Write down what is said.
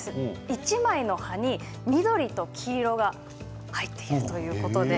一枚の葉っぱに緑と黄色が入っています。